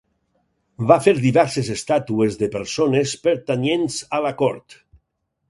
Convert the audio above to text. Va fer diverses estàtues de persones pertanyents a la cort.